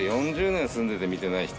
４０年住んでて見てない人。